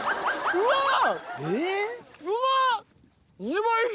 うまっ！